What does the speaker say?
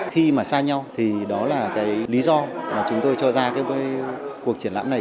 khi mà xa nhau thì đó là cái lý do